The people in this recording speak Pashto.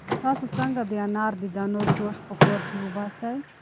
تاسو څنګه د انار د دانو جوس په کور کې وباسئ؟